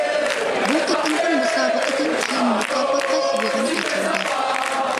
بۇ قېتىمقى مۇسابىقىدىن كىيىن مۇكاپاتلاش يىغىنى ئېچىلدى.